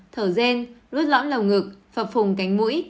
thở rên rút lõm lồng ngực phập phùng cánh mũi